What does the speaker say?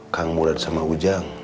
kang murad sama ujang